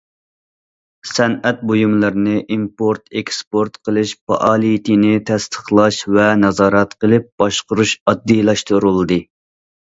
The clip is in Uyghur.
سەنئەت بۇيۇملىرىنى ئىمپورت- ئېكسپورت قىلىش پائالىيىتىنى تەستىقلاش ۋە نازارەت قىلىپ باشقۇرۇش ئاددىيلاشتۇرۇلدى.